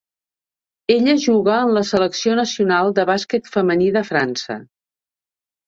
Ella juga en la selecció nacional de bàsquet femení de França.